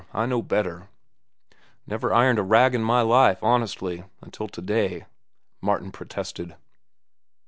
I know better." "Never ironed a rag in my life, honestly, until to day," Martin protested.